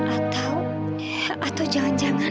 atau atau jangan jangan